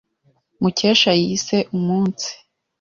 Mukesha yise umunsi.